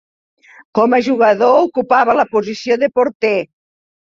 Com a jugador ocupava la posició de porter.